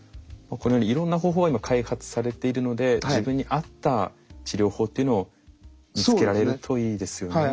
このようにいろんな方法が今開発されているので自分に合った治療法っていうのを見つけられるといいですよね。